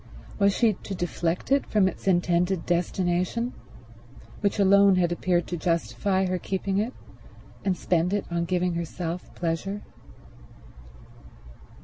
Was she to deflect it from its intended destination, which alone had appeared to justify her keeping it, and spend it on giving herself pleasure?